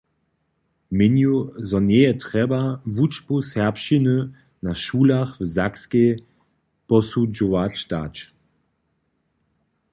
Měnju, zo njeje trjeba wučbu serbšćiny na šulach w Sakskej posudźować dać.